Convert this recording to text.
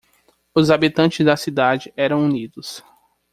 Os habitantes da cidade eram unidos.